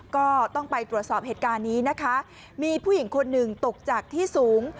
ก็ต้องไปตรวจสอบเหตุการณ์นี้นะคะมีผู้หญิงคนหนึ่งตกจากที่สูง